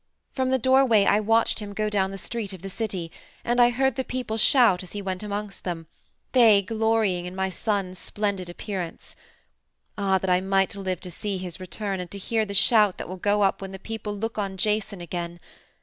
From the doorway I watched him go down the street of the city, and I heard the people shout as he went amongst them, they glorying in my son's splendid appearance. Ah, that I might live to see his return and to hear the shout that will go up when the people look on Jason again!